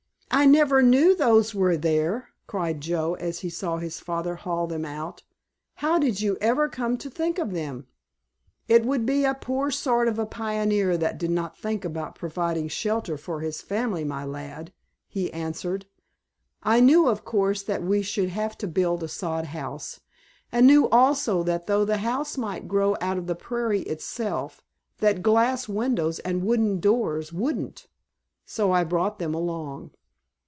"I never knew those were there!" cried Joe, as he saw his father haul them out. "How did you ever come to think of them?" "It would be a poor sort of a pioneer that did not think about providing shelter for his family, my lad," he answered. "I knew, of course, that we should have to build a sod house, and knew also that though the house might grow out of the prairie itself that glass windows and wooden doors wouldn't, so I brought them along."